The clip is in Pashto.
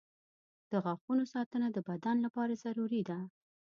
• د غاښونو ساتنه د بدن لپاره ضروري ده.